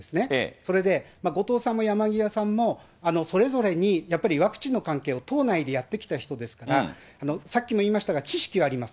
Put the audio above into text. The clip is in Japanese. それで、後藤さんも山際さんも、それぞれに、やっぱりワクチンの関係を党内でやってきた人ですから、さっきも言いましたが、知識はあります。